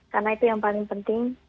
karena itu yang paling penting